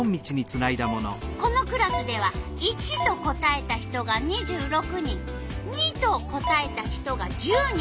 このクラスでは①と答えた人が２６人②と答えた人が１０人。